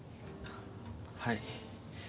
はい。